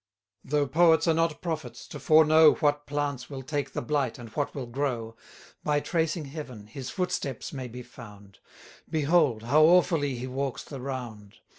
Though poets are not prophets, to foreknow What plants will take the blight, and what will grow, By tracing Heaven, his footsteps may be found: Behold! how awfully he walks the round!